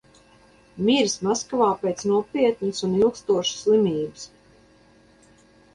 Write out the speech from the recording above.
Miris Maskavā pēc nopietnas un ilgstošas slimības.